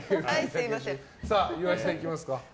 岩井さん、いきますか。